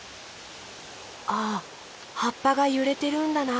あはっぱがゆれてるんだな。